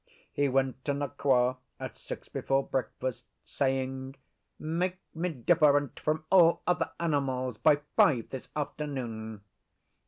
He went to Nqa at six before breakfast, saying, 'Make me different from all other animals by five this afternoon.